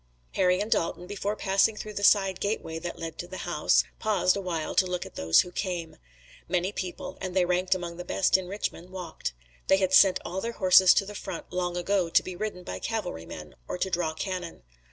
Harry and Dalton, before passing through the side gateway that led to the house, paused awhile to look at those who came. Many people, and they ranked among the best in Richmond, walked. They had sent all their horses to the front long ago to be ridden by cavalrymen or to draw cannon.